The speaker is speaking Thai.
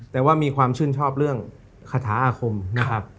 แต่ว่ามีความชื่นชอบเรื่องคาถาอาคมนะครับ